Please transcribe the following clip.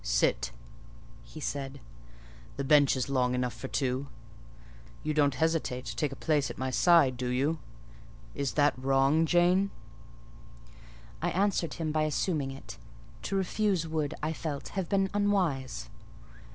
"Sit," he said; "the bench is long enough for two. You don't hesitate to take a place at my side, do you? Is that wrong, Jane?" I answered him by assuming it: to refuse would, I felt, have been unwise.